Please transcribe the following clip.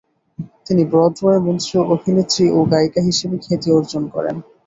তিনি ব্রডওয়ে মঞ্চে অভিনেত্রী ও গায়িকা হিসেবে খ্যাতি অর্জন করেন।